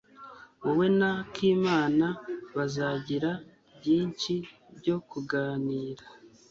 Wowe na akimana bazagira byinshi byo kuganira.